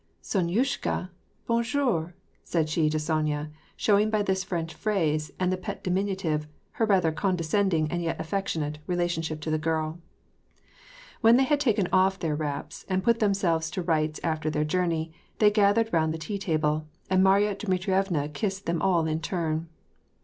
Sonyushka, bon jour ?" said she to Sonya, showing by this French phrase and the pet diminutive her rather condescend ing and yet affectionate, relationship to the girl. When they had taken off their wraps, and put themselves to rights after their journey, they gathered round the tea table, and Marya Dmitrievna kissed them all in turn.